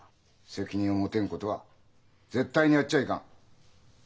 責任を持てんことは絶対にやっちゃあいかん。